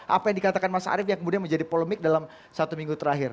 apa yang dikatakan mas arief yang kemudian menjadi polemik dalam satu minggu terakhir